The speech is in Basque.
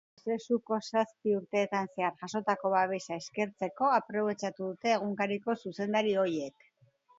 Prozesuko zazpi urteetan zehar jasotako babesa eskertzeko aprobetxatu dute egunkariko zuzendari ohiek.